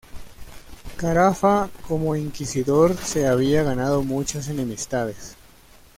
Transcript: Carafa como inquisidor se había ganado muchas enemistades.